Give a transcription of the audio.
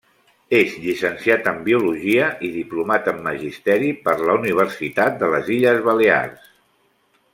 És llicenciat en biologia i diplomat en magisteri per la Universitat de les Illes Balears.